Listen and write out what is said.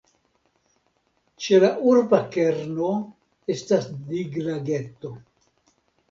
Ĉe la urba kerno estas diglageto.